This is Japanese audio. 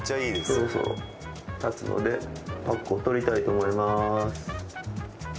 そろそろたつのでパックを取りたいと思います。